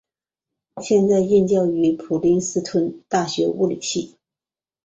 现在任教于普林斯顿大学物理系。